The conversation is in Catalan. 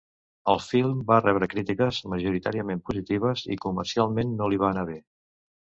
El film va rebre crítiques majoritàriament positives i comercialment no li va anar bé.